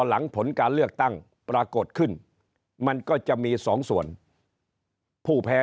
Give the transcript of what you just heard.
หลังผลการเลือกตั้งปรากฏขึ้นมันก็จะมีสองส่วนผู้แพ้